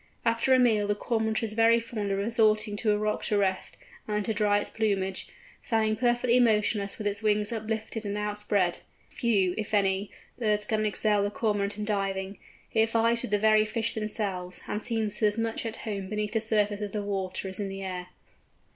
After a meal the Cormorant is very fond of resorting to a rock to rest, and to dry its plumage, standing perfectly motionless with its wings uplifted and outspread. Few, if any, birds can excel the Cormorant in diving: it vies with the very fish themselves, and seems as much at home beneath the surface of the water as in the air.